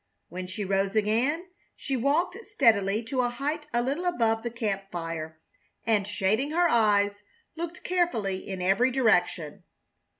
When she rose again she walked steadily to a height a little above the camp fire, and, shading her eyes, looked carefully in every direction.